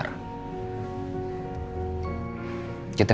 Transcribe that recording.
kita gak bisa bel kayak gini terus